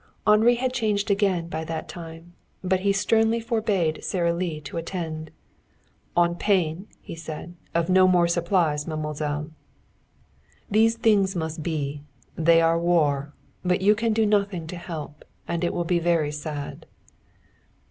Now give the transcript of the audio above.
Henri had changed again by that time, but he sternly forbade Sara Lee to attend. "On pain," he said, "of no more supplies, mademoiselle. These things must be. They are war. But you can do nothing to help, and it will be very sad."